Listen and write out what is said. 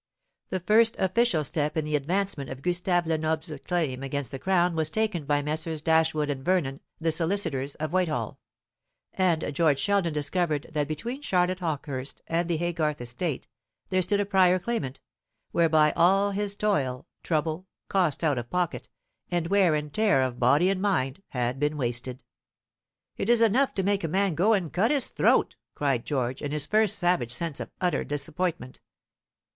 The first official step in the advancement of Gustave Lenoble's claim against the Crown was taken by Messrs. Dashwood and Vernon, the solicitors, of Whitehall; and George Sheldon discovered that between Charlotte Hawkehurst and the Haygarth estate there stood a prior claimant, whereby all his toil, trouble, costs out of pocket, and wear and tear of body and mind, had been wasted. "It is enough to make a man go and cut his throat," cried George, in his first savage sense of utter disappointment.